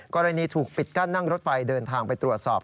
กรณีถูกปิดกั้นนั่งรถไฟเดินทางไปตรวจสอบ